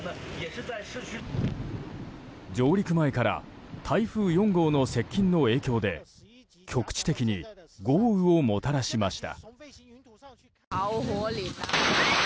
上陸前から台風４号の接近の影響で局地的に豪雨をもたらしました。